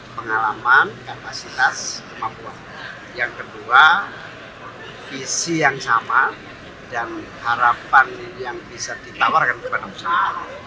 pengalaman kapasitas kemampuan yang kedua visi yang sama dan harapan yang bisa ditawarkan kepada usaha